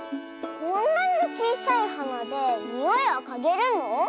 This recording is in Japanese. こんなにちいさいはなでにおいはかげるの？